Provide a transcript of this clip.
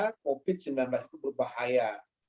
karena covid sembilan belas itu berbahaya